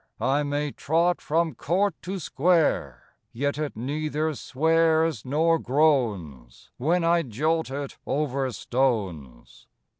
I may trot from court to square, Yet it neither swears nor groans, When I jolt it over stones."